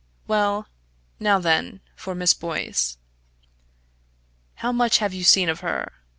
Well now then for Miss Boyce. How much have you seen of her?